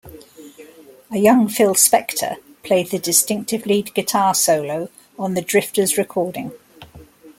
A young Phil Spector played the distinctive lead guitar solo on The Drifters' recording.